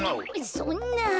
そんなぁ。